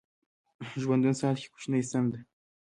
ژوندون ساعت کې کوچنۍ ستن ده